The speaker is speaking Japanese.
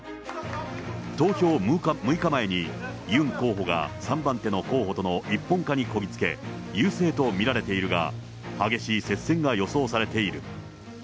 投票６日前にユン候補が３番手の候補との一本化にこぎ着け、優勢と見られているが、激しい接戦が予想されている。